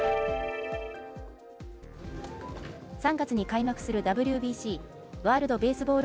３月に開幕するＷＢＣ・ワールドベースボール